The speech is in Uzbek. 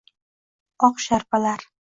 Oq sharpalar